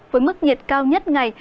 với mức nhiệt cao nhất ngày